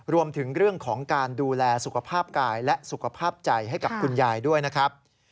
รวมถึงเรื่องของการดูแลสุขภาพกายและสุขภาพใจให้กับคุณยายด้วยนะครับ